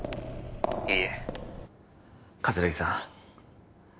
☎いいえ葛城さん